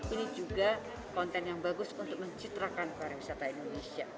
ini juga konten yang bagus untuk mencitrakan pariwisata indonesia